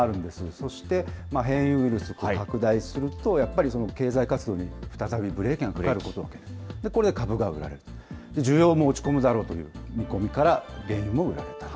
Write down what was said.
そして、変異ウイルスが拡大すると、経済活動に再びブレーキがかかる、これで株が売られる、需要も落ち込むだろうという見込みから、原油も売られた。